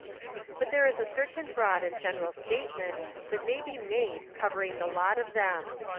But there Is a certain broad and general statement that may be made covering the lot of them.